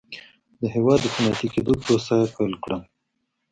د هېواد د صنعتي کېدو پروسه یې پیل کړه.